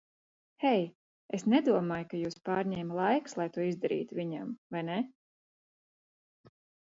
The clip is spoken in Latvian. Hei, es nedomāju, ka jūs pārņēma laiks, lai to izdarītu viņam, vai ne?